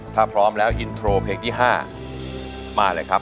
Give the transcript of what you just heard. ถ้าพร้อมแล้วอินโทรเพลงที่๕มาเลยครับ